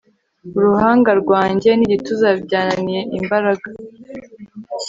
Uruhanga rwanjye nigituza byananiye imbaraga